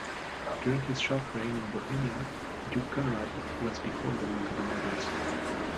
During his short reign in Bohemia, Duke Conrad was beholden to the nobles.